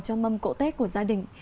cho mâm cộ tết của gia đình